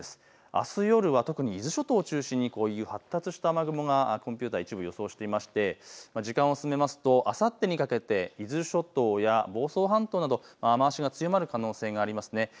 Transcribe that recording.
あす夜は特に伊豆諸島を中心に発達した雨雲がコンピュータ、一部、予想していまして、時間を進めますとあさってにかけて伊豆諸島や房総半島など雨足が強まる可能性があります。